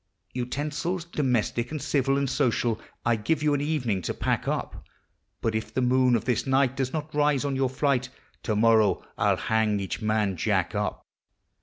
Utensils domestic and civil and social I give you an evening to pack up ; But if the moon of this night does not rise on your flight, To morrow I '11 hang each man Jack up.